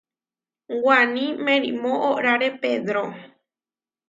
Waní merimó oʼórare pedro.